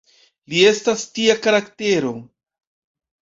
Li estas tia karaktero.